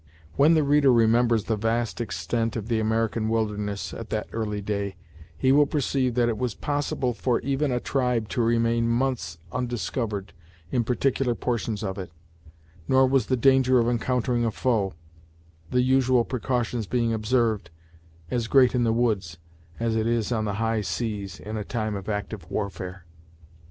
When the reader remembers the vast extent of the American wilderness, at that early day, he will perceive that it was possible for even a tribe to remain months undiscovered in particular portions of it; nor was the danger of encountering a foe, the usual precautions being observed, as great in the woods, as it is on the high seas, in a time of active warfare.